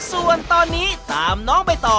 ส่วนตอนนี้ตามน้องไปต่อ